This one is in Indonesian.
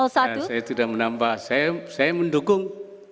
saya tidak menambah saya mendukung